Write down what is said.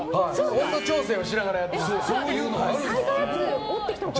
温度調整をしながらやってます。